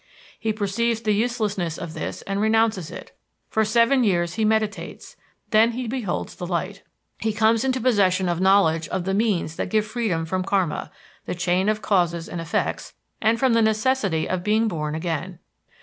He perceives the uselessness of this and renounces it. For seven years he meditates, then he beholds the light. He comes into possession of knowledge of the means that give freedom from Karma (the chain of causes and effects), and from the necessity of being born again.